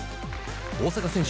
大坂選手